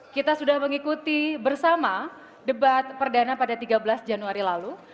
kita sudah mengikuti bersama debat perdana pada tiga belas januari lalu